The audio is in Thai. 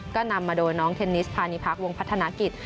ก็นำมาโดยน้องเทนนิสพาณิพักวงพัฒนากิจ